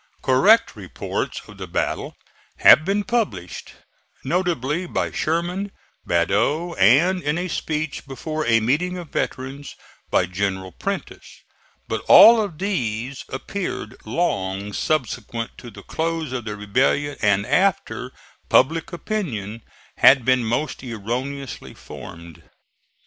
Correct reports of the battle have been published, notably by Sherman, Badeau and, in a speech before a meeting of veterans, by General Prentiss; but all of these appeared long subsequent to the close of the rebellion and after public opinion had been most erroneously formed.